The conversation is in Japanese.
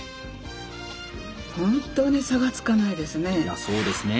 本当に差がつかないですね。